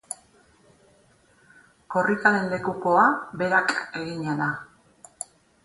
Korrikaren lekukoa berak egina da.